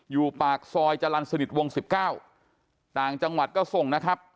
อยู่ปากซอยจรรย์สนิทวง๑๙ต่างจังหวัดก็ส่งนะครับ